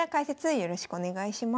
よろしくお願いします。